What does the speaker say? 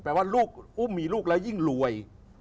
แปลว่าอุ้มมีลูกแล้วยิ่งรวย